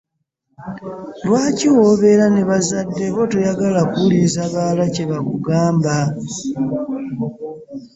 Lwaki wobeera ne bazadde bo toyagala kuwuliriza balala kyebakugamba?